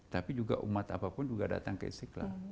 tapi juga umat apapun juga datang ke istiqlal